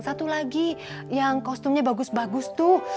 satu lagi yang kostumnya bagus bagus tuh